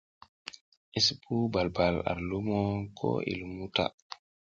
I sipuw bal bal ar lumo ko i lumuw ta.